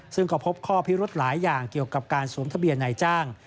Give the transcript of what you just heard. ซึ่งก็พบข้อพิรุธหลายอย่างเกี่ยวกับการสวมทะเบียนนายจ้าง